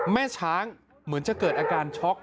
แม่ช้างเหมือนจะเกิดอาการช็อก